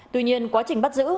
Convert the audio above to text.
tuy nhiên quá trình bắt giữ